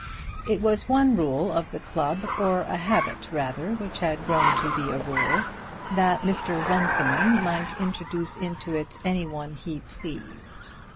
It was one rule of the club, or a habit, rather, which had grown to be a rule, that Mr. Runciman might introduce into it any one he pleased.